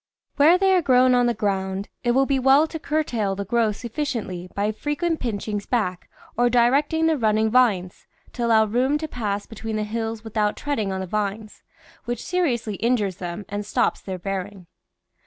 Where thej' are grown on the ground, it will be well to curtail the growth sufficiently by frequent pinchings back or directing the running vines, to allow room to pass between the hills with out treading on the vines, which seriously injures them and stops their bearing.